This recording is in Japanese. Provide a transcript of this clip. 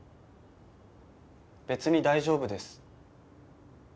別に大丈夫です。